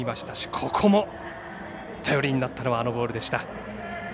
ここも頼りになったのはあのボールでした。